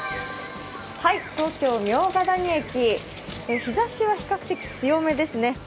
東京・茗荷谷駅、日ざしは比較的強めですね。